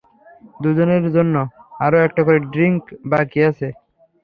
দুজনের জন্য আরও একটা করে ড্রিঙ্ক বাকি আছে।